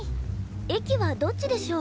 駅はどっちでしょう？